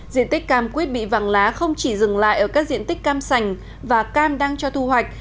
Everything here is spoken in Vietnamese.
diện tích cam quýt bị vàng lá không chỉ dừng lại ở các diện tích cam sành và cam đang cho thu hoạch